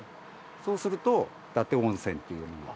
そうすると伊達温泉っていうのが。